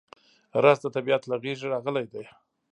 رس د طبیعت له غېږې راغلی دی